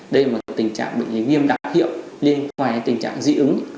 đây là một tình trạng viêm đặc hiệu liên quan đến tình trạng diễn ứng